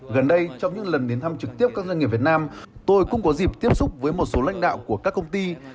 gần đây trong những lần đến thăm trực tiếp các doanh nghiệp việt nam tôi cũng có dịp tiếp xúc với một số lãnh đạo của các công ty